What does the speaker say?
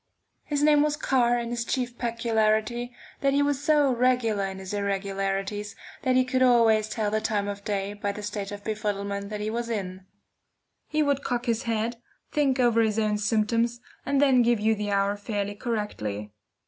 His name was Carr, and his chief peculiarity, that he was so regular in his irregularities that he could always tell the time of day by the state of befuddlement that he was in. He would cock his head, think over his own symptoms, and then give you the hour fairly correctly.